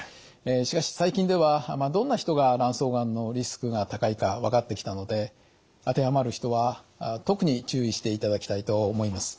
しかし最近ではどんな人が卵巣がんのリスクが高いか分かってきたので当てはまる人は特に注意していただきたいと思います。